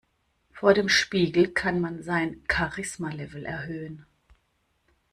Vor dem Spiegel kann man sein Charisma-Level erhöhen.